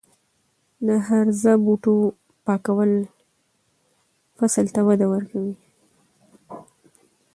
د هرزه بوټو پاکول فصل ته وده ورکوي.